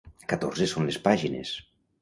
Catorze són les pàgines.